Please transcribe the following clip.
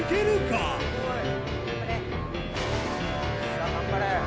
さぁ頑張れ！